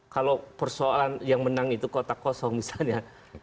kalau persoalan yang menang itu kota kosong misalnya